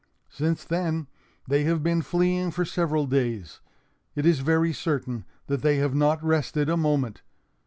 "Since then, they have been fleeing for several days. It is very certain that they have not rested a moment.